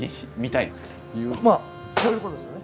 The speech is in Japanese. まあこういうことですよね。